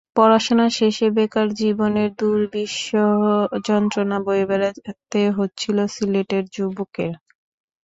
পড়াশোনা শেষে বেকার জীবনের দুর্বিষহ যন্ত্রণা বয়ে বেড়াতে হচ্ছিল সিলেটের যুবকের।